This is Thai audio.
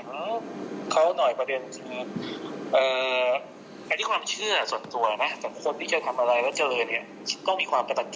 ค่ะคงฝากแค่นี้